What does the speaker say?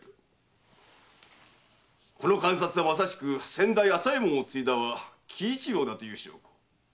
この鑑札はまさしく先代・朝右衛門を継いだは喜一郎だという証拠。